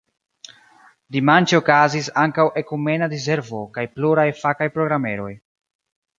Dimanĉe okazis ankaŭ ekumena diservo kaj pluraj fakaj programeroj.